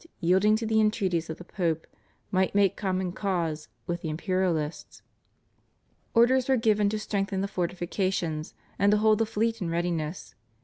yielding to the entreaties of the Pope might make common cause with the imperialists. Orders were given to strengthen the fortifications, and to hold the fleet in readiness.